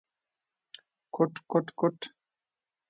_کوټ، کوټ ، کوټ…